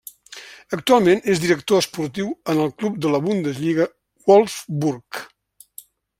Actualment és director esportiu en el club de la Bundesliga Wolfsburg.